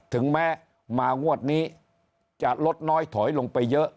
ถึงแม้มางวดนี้จะลดน้อยถอยลงไปเยอะ